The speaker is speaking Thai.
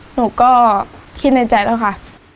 หนูก็คิดในใจแล้วค่ะ